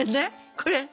これ。